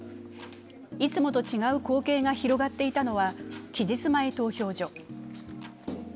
いつもと違う光景が広がっていたのは期日前投票所。